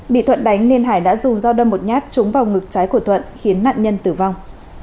bị thuận đánh nên hải đã dùng dao đâm một nhát trúng vào ngực trái của thuận khiến nạn nhân tử vong